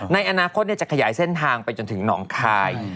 ในอนาคตจะขยายเส้นทางไปจนถึงหนองคาย